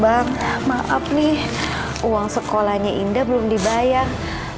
bang maaf nih uang sekolahnya indah belum dibayar